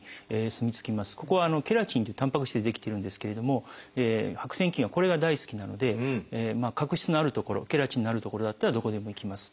ここはケラチンというたんぱく質で出来てるんですけれども白癬菌はこれが大好きなので角質のある所ケラチンのある所だったらどこでも行きます。